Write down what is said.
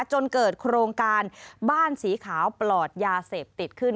จนเกิดโครงการบ้านสีขาวปลอดยาเสพติดขึ้น